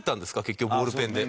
結局ボールペンで。